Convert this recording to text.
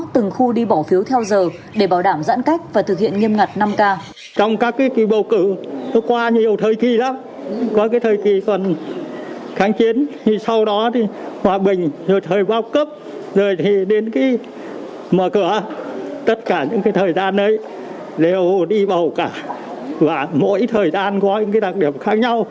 từng khu đi bỏ phiếu theo giờ để bảo đảm giãn cách và thực hiện nghiêm ngặt năm k